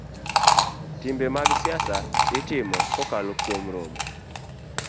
Timbe mag siasa itimo kokalo kuom romo